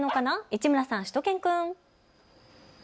市村さん、しゅと犬くん。